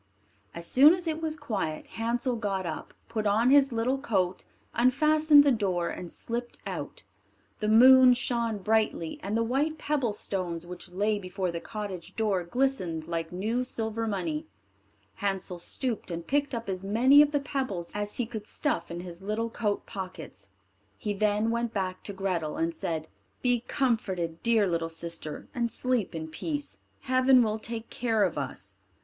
As soon as it was quiet, Hansel got up, put on his little coat, unfastened the door, and slipped out The moon shone brightly, and the white pebble stones which lay before the cottage door glistened like new silver money. Hansel stooped and picked up as many of the pebbles as he could stuff in his little coat pockets. He then went back to Grethel and said, "Be comforted, dear little sister, and sleep in peace; heaven will take care of us."